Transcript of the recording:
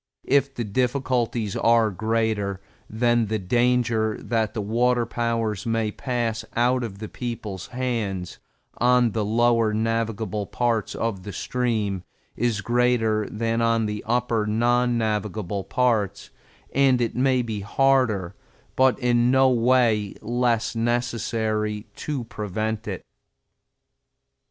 If the difficulties are greater, then the danger that the water powers may pass out of the people's hands on the lower navigable parts of the streams is greater than on the upper non navigable parts, and it may be harder, but in no way less necessary, to prevent it.